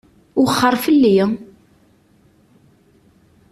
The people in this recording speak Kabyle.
Wexxeṛ fell-i!